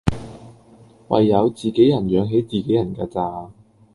唯有自己人養起自己人架咋